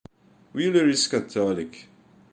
Wheeler is Catholic.